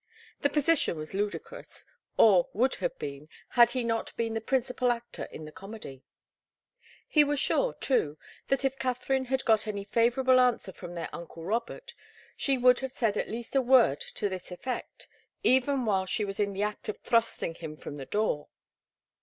The position was ludicrous, or would have been, had he not been the principal actor in the comedy. He was sure, too, that if Katharine had got any favourable answer from their uncle Robert, she would have said at least a word to this effect, even while she was in the act of thrusting him from the door.